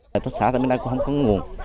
hợp tác xã tại bên đây cũng không có nguồn